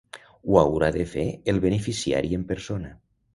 Ho haurà de fer el beneficiari en persona.